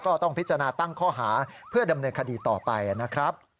ก็ต้องพิจารณาตั้งข้อหาเพื่อดำเนินคดีต่อไปนะครับ